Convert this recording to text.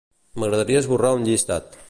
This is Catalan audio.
M'agradaria esborrar un llistat.